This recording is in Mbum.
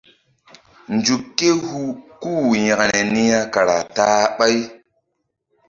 Nzuk ké hu kú-u yȩkre niya kara ta-a ɓáy.